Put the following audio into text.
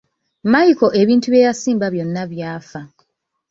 Micheal ebintu bye yasimba byonna byafa.